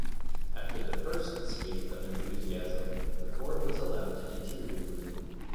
After the first spate of enthusiasm, the fort was allowed to deteriorate.